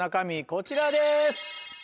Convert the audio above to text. こちらです。